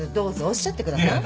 おっしゃってください。